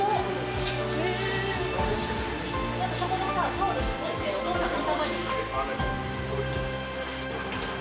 そこのタオル絞ってお父さんの頭に。